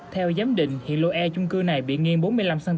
theo giám định hiện lô e trung cư này bị nghiêng bốn mươi năm